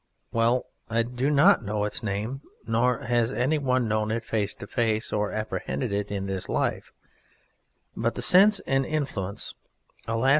Well, I do not know its name, nor has anyone known it face to face or apprehended it in this life, but the sense and influence alas!